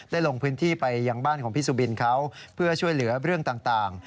ลงพื้นที่ไปยังบ้านของพี่สุบินเขาเพื่อช่วยเหลือเรื่องต่าง